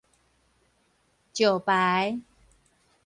石牌